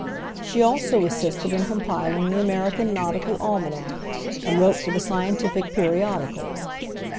She also assisted in compiling the American Nautical Almanac, and wrote for the scientific periodicals.